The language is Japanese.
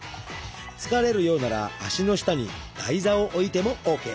疲れるようなら足の下に台座を置いてもＯＫ。